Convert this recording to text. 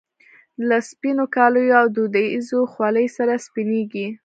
له سپینو کاليو او دودیزې خولۍ سره سپینږیری.